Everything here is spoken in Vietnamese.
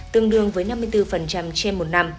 tương đương với năm mươi trên một tháng